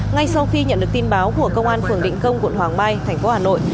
ngay sau khi nhận được tin báo của công an phường định công quận hoàng mai thành phố hà nội